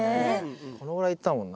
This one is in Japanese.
このぐらいいったもんな。